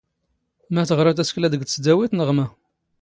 ⵎⴰ ⵜⵖⵔⴰ ⵜⴰⵙⴽⵍⴰ ⴷⴳ ⵜⵙⴷⴰⵡⵉⵜ, ⵏⵖ ⵎⴰ?